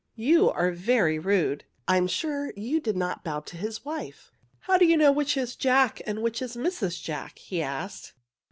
'' You are very rude. I'm sure you did not bow to his wife." ^* How do you know which is Jack and which is Mrs. Jack? '' he asked.